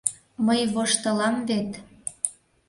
Мый воштылам вет...